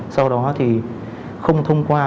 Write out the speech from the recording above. sau đó thì không thông qua